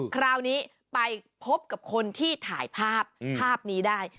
คราวนี้ไปพบกับคนที่ถ่ายภาพภาพนี้ได้